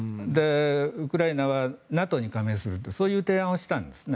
ウクライナはＮＡＴＯに加盟するそういう提案をしていたんです。